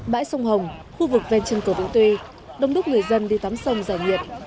bãi sông hồng khu vực ven chân cầu vũng tuy đông đúc người dân đi tắm sông giải nhiệt